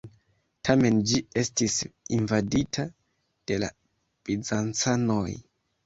Tamen, ĝi estis invadita de la bizancanoj.